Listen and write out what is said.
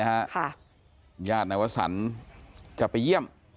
หญ้าธนวัฒนศุษย์ก็จะไปเยี่ยม